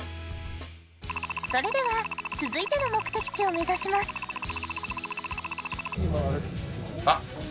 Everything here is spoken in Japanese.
それでは続いての目的地を目指しますあ！